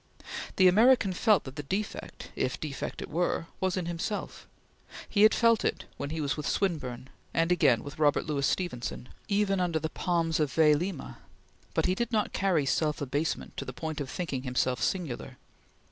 The American felt that the defect, if defect it were, was in himself; he had felt it when he was with Swinburne, and, again, with Robert Louis Stevenson, even under the palms of Vailima; but he did not carry self abasement to the point of thinking himself singular.